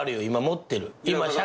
今持ってる。